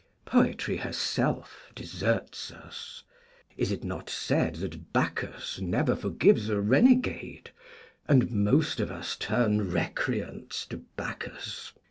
Poetry herself deserts us; is it not said that Bacchus never forgives a renegade? and most of us turn recreants to Bacchus.